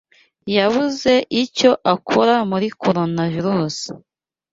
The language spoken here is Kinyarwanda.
Yabuze icyo akora muri Coronavirusi